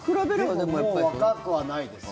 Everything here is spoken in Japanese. でももう若くはないですよ。